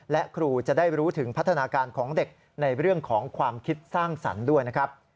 และครูจะได้รู้ถึงพัฒนาการของเด็กในเรื่องของความคิดสร้างสรรค์ด้วยนะครับ